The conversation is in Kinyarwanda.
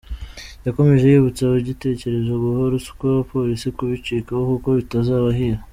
Yakomeje yibutsa abagitekereza guha ruswa abapolisi kubicikaho kuko bitazabahira.